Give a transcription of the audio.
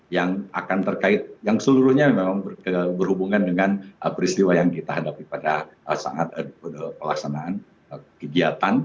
yang akan terkait yang seluruhnya memang berhubungan dengan peristiwa yang kita hadapi pada saat pelaksanaan kegiatan